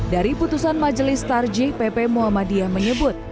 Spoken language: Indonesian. dari putusan majelis star j pp muhammadiyah menyebut